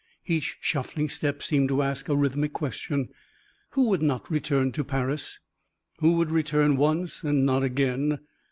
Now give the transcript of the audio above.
Each shuffling step seemed to ask a rhythmic question. Who would not return to Paris? Who would return once and not again?